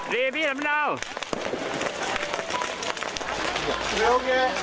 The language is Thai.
ดีพี่ทำไมไม่น่าว